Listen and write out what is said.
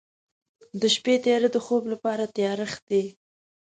د شپې تیاره د خوب لپاره تیارښت دی.